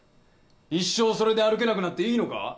一生それで歩けなくなっていいのか？